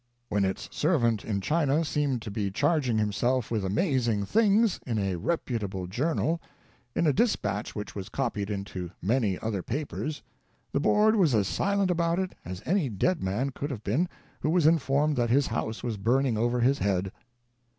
When its servant in China seemed to be charging himself with amazing things, in a reputable journal, — in a dispatch which was copied into many other papers — the Board was as silent about it as any dead man could have been who was informed that his house was burning over his head.